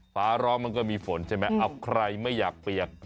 ฟ้าร้องมันก็มีฝนใช่ไหมเอาใครไม่อยากเปียก